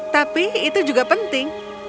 tapi itu juga penting